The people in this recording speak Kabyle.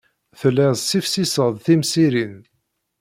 Telliḍ tessifsiseḍ timsirin.